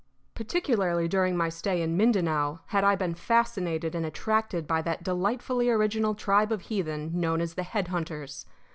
Particularly during my stay in Mindanao had I been fascinated and attracted by that delightfully original tribe of heathen known as the head hunters.